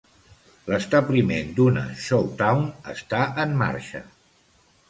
L'establiment d'una "Shou Town" està en marxa.